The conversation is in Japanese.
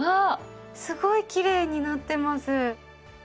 すごいきれいになってます。